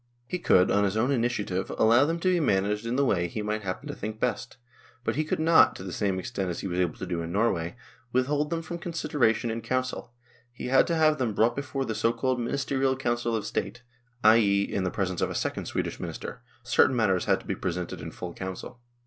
He could on his own initiative allow them to be managed in the way he might happen to think best ; but he could not, to the same extent as he was able to do in Norway, withhold them from consideration in Council ; he had to have them brought before the so called Ministerial Council of State, i.e., in the presence of a second Swedish minister (certain matters had to be presented in full Council).